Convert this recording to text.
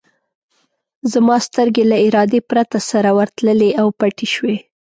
زما سترګې له ارادې پرته سره ورتللې او پټې شوې.